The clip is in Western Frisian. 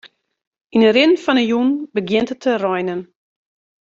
Yn 'e rin fan 'e jûn begjint it te reinen.